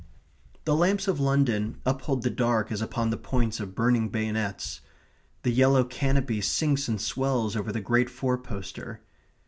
The lamps of London uphold the dark as upon the points of burning bayonets. The yellow canopy sinks and swells over the great four poster.